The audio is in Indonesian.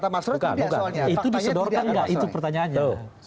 bukan bukan itu disodorkan nggak itu pertanyaannya